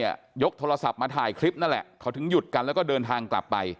ยกโทรศัพท์มาถ่ายคลิปนั่นแหละเขาถึงหยุดกันแล้วก็เดินทางกลับไป